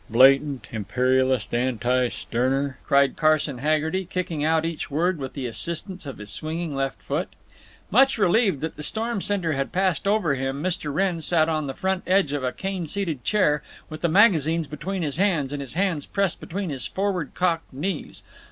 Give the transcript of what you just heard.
Blatant imperialist, anti Stirner!" cried Carson Haggerty, kicking out each word with the assistance of his swinging left foot. Much relieved that the storm center had passed over him, Mr. Wrenn sat on the front edge of a cane seated chair, with the magazines between his hands, and his hands pressed between his forward cocked knees.